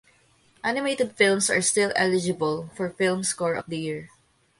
Animated films are still eligible for Film Score of the Year.